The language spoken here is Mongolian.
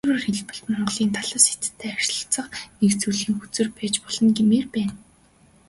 Өөрөөр хэлбэл, Монголын талаас Хятадтай харилцах нэг зүйлийн хөзөр байж болно гэмээр байна.